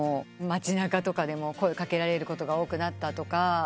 街なかとかでも声を掛けられることが多くなったとか。